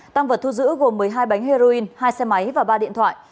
tăng vật thu giữ gồm một mươi hai bánh heroin hai xe máy và ba điện thoại